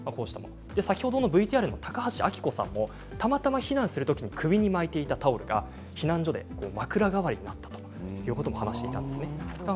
先ほどのＶＴＲの高橋明子さんもたまたま避難したときに首に巻いていたタオルが避難所で枕代わりになったと話していました。